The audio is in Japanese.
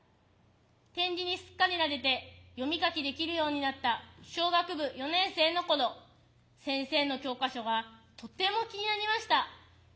点字にすっかり慣れて読み書きできるようになった小学部４年生の頃先生の教科書がとても気になりました。